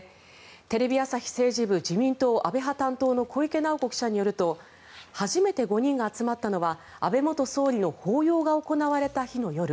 テレビ朝日政治部自民党安倍派担当の小池直子記者によると初めて５人が集まったのは安倍元総理の法要が行われた日の夜。